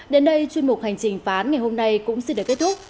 đến đây chuyên mục hành trình phán ngày hôm nay cũng xin được kết thúc